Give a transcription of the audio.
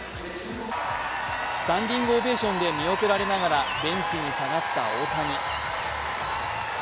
スタンディングオベーションで見送られながらベンチに下がった大谷。